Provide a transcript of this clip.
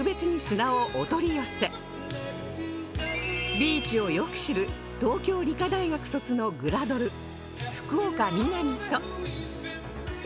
ビーチをよく知る東京理科大学卒のグラドル福岡みなみと